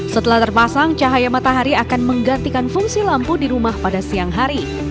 setelah terpasang cahaya matahari akan menggantikan fungsi lampu di rumah pada siang hari